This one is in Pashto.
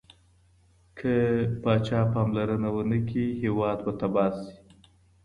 که پاچا پاملرنه ونه کړي، هیواد به تباه سي.